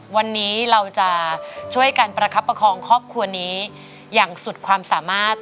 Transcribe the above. วันนี้เราจะช่วยกันประคับประคองครอบครัวนี้อย่างสุดความสามารถ